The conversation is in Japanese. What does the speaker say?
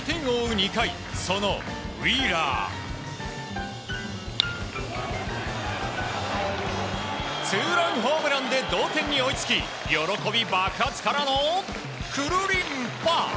２回そのウィーラーツーランホームランで同点に追いつき喜び爆発からの、くるりんぱ！